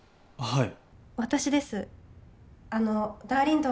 はい。